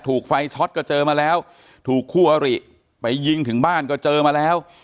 ถูกไฟช็อตก็เจอมาแล้วถูกคู่อริไปยิงถึงบ้านก็เจอมาแล้ว